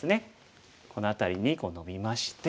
この辺りにノビまして。